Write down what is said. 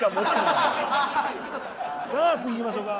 さあ次いきましょうか。